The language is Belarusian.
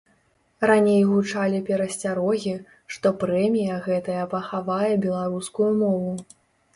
Раней гучалі перасцярогі, што прэмія гэтая пахавае беларускую мову.